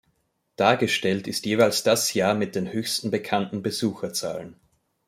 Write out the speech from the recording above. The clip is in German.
Dargestellt ist jeweils das Jahr mit den höchsten bekannten Besucherzahlen.